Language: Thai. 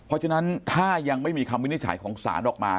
เพราะฉะนั้นถ้ายังไม่มีคำวินิจฉัยของศาลออกมา